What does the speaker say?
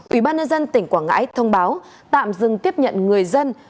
ủy ban nhân dân tỉnh quảng ngãi thông báo tạm dừng tiếp nhận người dân